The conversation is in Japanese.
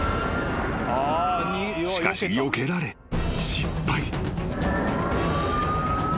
［しかしよけられ失敗］